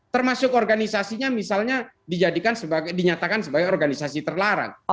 termasuk organisasinya misalnya dinyatakan sebagai organisasi terlarang